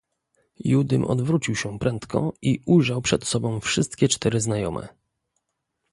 "Judym odwrócił się prędko i ujrzał przed sobą wszystkie cztery znajome."